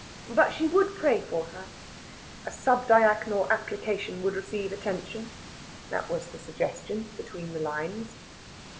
But she would pray for her. A subdiaconal application would receive attention; that was the suggestion between the lines.